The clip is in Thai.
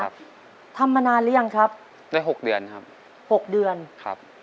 ทำมานานหรือยังครับได้หกเดือนครับหกเดือนครับ